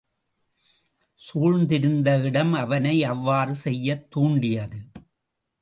சூழ்ந்திருந்த இடம் அவனை அவ்வாறு செய்யத் தூண்டியது.